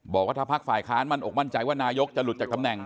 บอกว่าถ้าพักฝ่ายค้านมั่นอกมั่นใจว่านายกจะหลุดจากตำแหน่ง